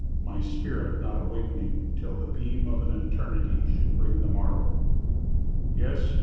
My spirit not awak'ning, till the beam Of an Eternity should bring the morrow: Yes!